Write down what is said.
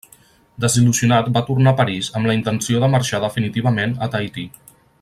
Desil·lusionat va tornar a París amb la intenció de marxar definitivament a Tahití.